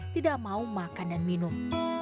tidak mau makan dan minum